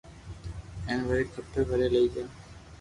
ھين وري کپي وري لئي جا